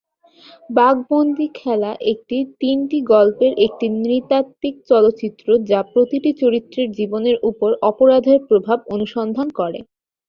বাঘ বন্দি খেলা একটি তিনটি গল্পের একটি নৃতাত্ত্বিক চলচ্চিত্র যা প্রতিটি চরিত্রের জীবনের উপর অপরাধের প্রভাব অনুসন্ধান করে।